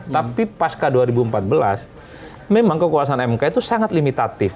tapi pasca dua ribu empat belas memang kekuasaan mk itu sangat limitatif